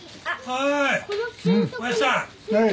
はい。